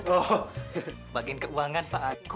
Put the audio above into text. oh bagiin keuangan pak